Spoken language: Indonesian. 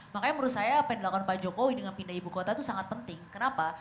makanya menurut saya pendidikan pak jokowi dengan pindah ibu kota itu sangat penting kenapa